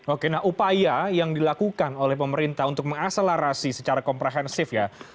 oke nah upaya yang dilakukan oleh pemerintah untuk mengakselerasi secara komprehensif ya